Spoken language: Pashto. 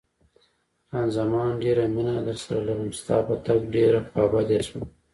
خان زمان: ډېره مینه درسره لرم، ستا په تګ ډېره خوابدې شوم.